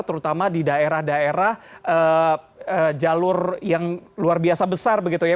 terutama di daerah daerah jalur yang luar biasa besar begitu ya